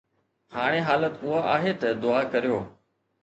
هاڻي حالت اها آهي ته دعا ڪريو